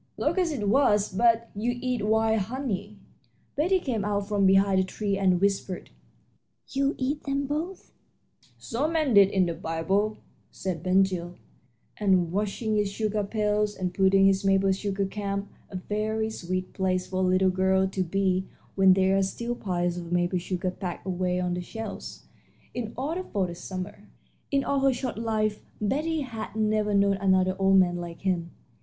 "Locusts it was; but you eat wild honey." Betty came out from behind the tree and whispered, "You eat them both?" "So men did in the Bible," said Ben Gile, and washing his sugar pails, and putting his maple sugar camp a very sweet place for a little girl to be when there are still piles of maple sugar packed away on the shelves in order for the summer. In all her short life Betty had never known another old man like him.